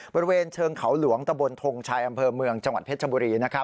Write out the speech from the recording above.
บริเวณเชิงเขาหลวงตะบนทงชัยอำเภอเมืองจังหวัดเพชรบุรี